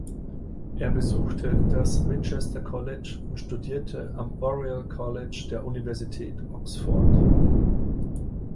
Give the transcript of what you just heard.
Er besuchte das Winchester College und studierte am Oriel College der Universität Oxford.